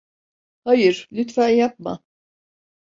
Hayır, lütfen yapma!